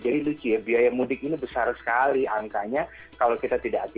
jadi lucu ya biaya mudik ini besar sekali angkanya kalau kita tidak hati hati